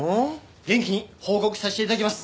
元気に報告させて頂きます！